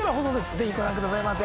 ぜひご覧くださいませ。